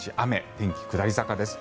天気、下り坂です。